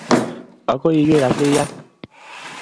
Agoi igeer asiyaan